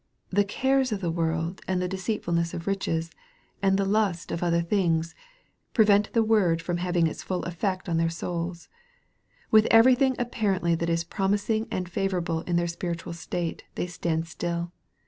" The cares of the world, and the deceitfulness of riches, and the lusts of other things/' prevent the word having its full effect on their souls. With everything apparently that is promising and favor able in their spiritual state, they stand still.